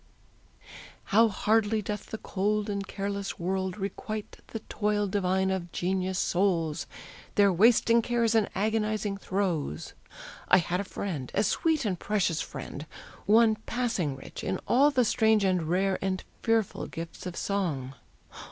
How hardly doth the cold and careless world Requite the toil divine of genius souls, Their wasting cares and agonizing throes! I had a friend, a sweet and precious friend, One passing rich in all the strange and rare, And fearful gifts of song.